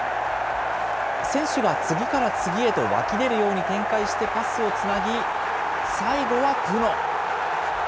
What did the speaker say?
選手が次から次へと湧き出るように展開してパスをつなぎ、最後はプノ。